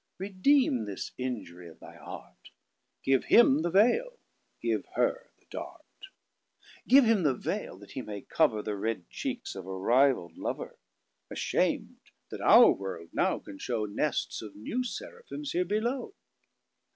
Redeem this injury of thy art; Give Him the vail, give her the dart. Give Him the vail; that he may coverThe Red cheeks of a rivall'd lover. Asham'd that our world, now, can showNests of new Seraphims here below.